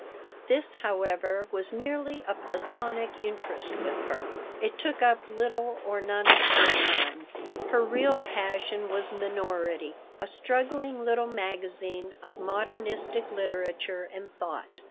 This, however, was merely a platonic interest with her. It took up little or none of her time. Her real passion was Minority, a struggling little magazine of "modernistic literature and thought."